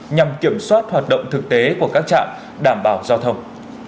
nhằm kiểm soát hoạt động thực tế của các trạm đảm bảo giao thông